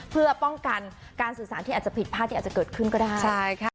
เพื่อป้องกันการสื่อสารที่อาจจะผิดพลาดที่อาจจะเกิดขึ้นก็ได้